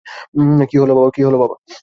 কী বল বাবা?